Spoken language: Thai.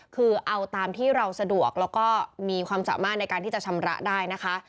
คือเอาตามที่เราสะดวกแล้วก็มีความสามารถในการที่จะชำระได้นะคะ